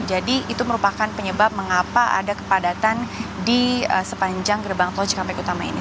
jadi itu merupakan penyebab mengapa ada kepadatan di sepanjang gerbang tol ckpk utama ini